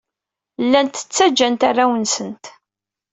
Llant ttajjant arraw-nsent.